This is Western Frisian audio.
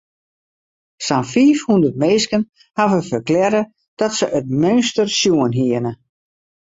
Sa'n fiifhûndert minsken hawwe ferklearre dat se it meunster sjoen hiene.